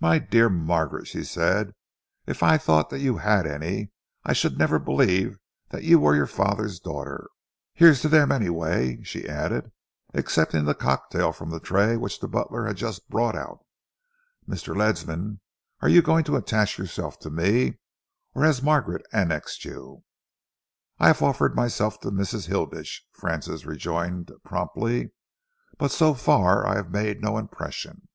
"My dear Margaret," she said, "if I thought that you had any, I should never believe that you were your father's daughter. Here's to them, anyway," she added, accepting the cocktail from the tray which the butler had just brought out. "Mr. Ledsam, are you going to attach yourself to me, or has Margaret annexed you?" "I have offered myself to Mrs. Hilditch," Francis rejoined promptly, "but so far I have made no impression."